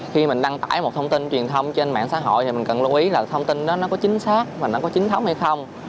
khi mình đăng tải một thông tin truyền thông trên mạng xã hội thì mình cần lưu ý là thông tin đó nó có chính xác và nó có chính thống hay không